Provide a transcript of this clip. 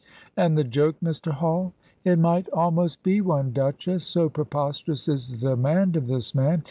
"And the joke, Mr. Hall?" "It might almost be one, Duchess, so preposterous is the demand of this man.